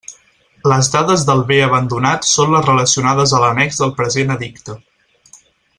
Les dades del bé abandonat són les relacionades a l'annex del present Edicte.